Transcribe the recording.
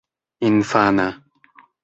infana